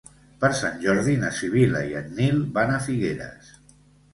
Per Sant Jordi na Sibil·la i en Nil van a Figueres.